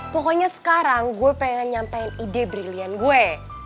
pokoknya sekarang gue pengen nyampaikan ide brilian gue